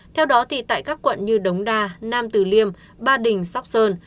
theo đó thì tại các quận như đống đa nam tử liêm ba đình sóc sơn